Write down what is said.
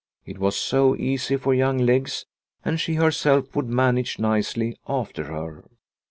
It was so easy for young legs, and she herself would manage nicely after her.